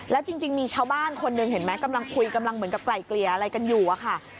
แล้วจริงมีชาวบ้านคนหนึ่งเห็นไหมกำลังคุยกำลังเหมือนกับไกลเกลี่ยอะไรกันอยู่อะค่ะ